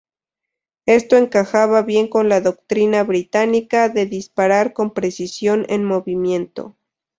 Esto encajaba bien con la doctrina británica de disparar con precisión en movimiento.